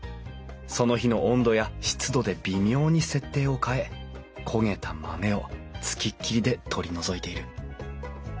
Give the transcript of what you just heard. その日の温度や湿度で微妙に設定を変え焦げた豆を付きっきりで取り除いている。